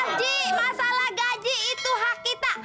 janji masalah gaji itu hak kita